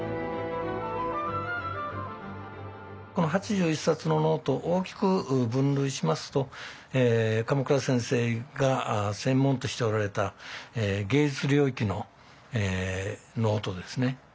この８１冊のノート大きく分類しますと鎌倉先生が専門としておられた芸術領域のノートですね。